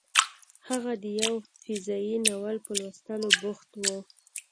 هغه د یو فضايي ناول په لوستلو بوخت و